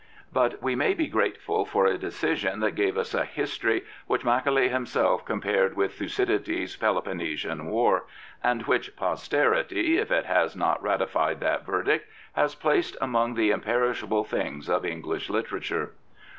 But we may be grateful for a decision that gave us a history which Macaulay himself compared with Thucydides' Peloponnesian War, and which posterity, if it has not ratified that verdict, has placed among the imperishable things of English literature.